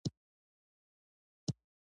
دا کافي شاپ ښه چای وړاندې کوي.